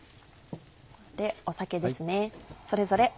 そして酒ですね。